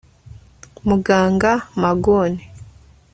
Muganga Magoon